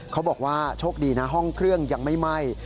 เขาบอกว่าโชคดีนะห้องเครื่องยังไม่ไหม้